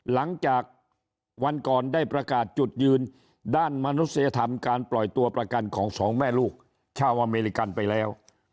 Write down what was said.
หลังจากวันก่อนได้ประกาศจุดยืนด้านมนุษยธรรมการปล่อยตัวประกันของสองแม่ลูกชาวอเมริกันไปแล้ว